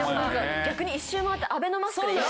逆に１周回ってアベノマスクで今は。